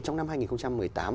trong năm hai nghìn một mươi tám